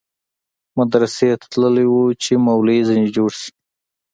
مدرسې ته تللى و چې مولوى ځنې جوړ سي.